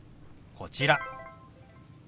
こちら。